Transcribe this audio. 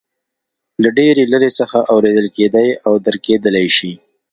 له ډېرې لرې څخه اورېدل کېدای او درک کېدلای شي.